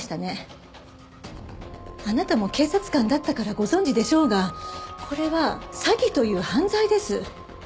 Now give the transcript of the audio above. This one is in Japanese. あなたも警察官だったからご存じでしょうがこれは詐欺という犯罪です。